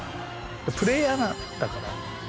プレイヤーだから。